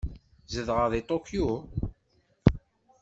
Tzedɣeḍ deg Tokyo?